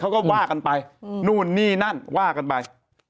ว่ากันไปนู่นนี่นั่นว่ากันไป